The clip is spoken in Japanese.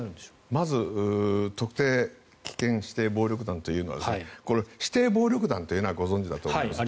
まず特定危険指定暴力団というのはこれは指定暴力団というのはご存じだと思います。